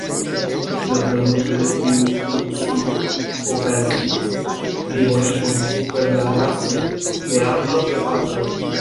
La produkto de tiu kruciĝo okazigis plibonigon super la rasoj de ambaŭ gepatroj.